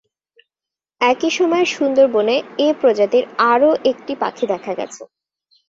একই সময়ে সুন্দরবনে এ প্রজাতির আরও একটি পাখি দেখা গেছে।